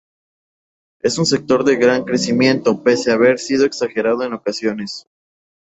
Es un sector de gran crecimiento, pese a haber sido exagerado en ocasiones.